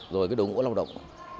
rồi đối ngũ lọc động